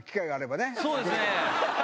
そうですね。